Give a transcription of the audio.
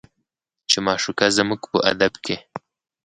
چې معشوقه زموږ په ادب کې